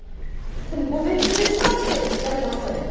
でも午前中で時間指定されてますよね。